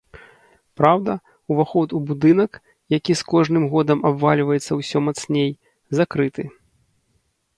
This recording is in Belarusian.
Праўда, уваход у будынак, які з кожным годам абвальваецца ўсё мацней, закрыты.